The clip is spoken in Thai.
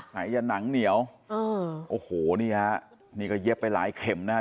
ใส่อย่างหนังเหนียวเออโอ้โหนี่ฮะนี่ก็เย็บไปหลายเข็มนะฮะ